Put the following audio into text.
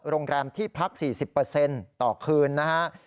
โรงแรมที่พัก๔๐ต่อคืนนะฮะ